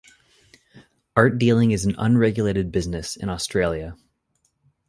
Art dealing is an unregulated business in Australia.